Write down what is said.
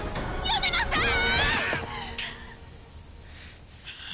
やめなさーい！！